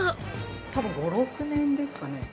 たぶん５６年ですかね。